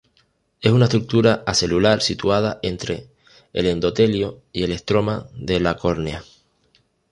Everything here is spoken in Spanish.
Es una estructura acelular situada entre el endotelio y el estroma de la córnea.